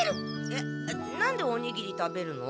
えっなんでおにぎり食べるの？